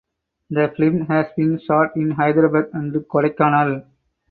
The film has been shot in Hyderabad and Kodaikanal.